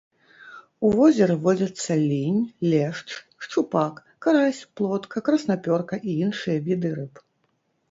У возеры водзяцца лінь, лешч, шчупак, карась, плотка, краснапёрка і іншыя віды рыб.